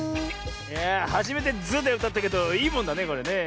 はじめて「ズ」でうたったけどいいもんだねこれねえ。